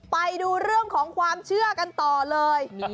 ไปดูเรื่องของความเชื่อกันต่อเลย